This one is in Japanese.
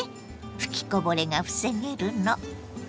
吹きこぼれが防げるの。